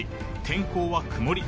天候は曇り。